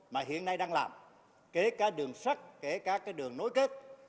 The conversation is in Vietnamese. mà hiện nay đang làm kể cả đường sắt kể cả cái đường nối kết